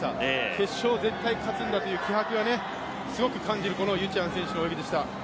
決勝勝つんだという気迫をすごく感じる、このユチャン選手の泳ぎでした。